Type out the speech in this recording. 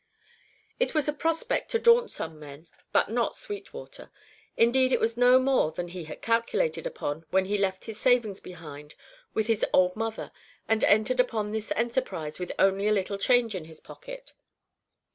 It was a prospect to daunt some men, but not Sweetwater. Indeed it was no more than he had calculated upon when he left his savings behind with his old mother and entered upon this enterprise with only a little change in his pocket.